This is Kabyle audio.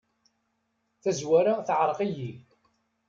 Tazwara teεreq-iyi.